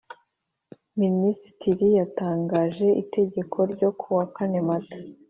Minisitiri yatangaje itegeko ryo kuwa kane Mata